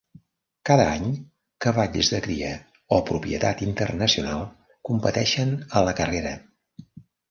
Cada any, cavalls de cria o propietat internacional competeixen a la carrera.